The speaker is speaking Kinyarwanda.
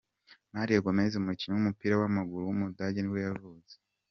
Mario Gómez, umukinnyi w’umupira w’amaguru w’umudage nibwo yavutse.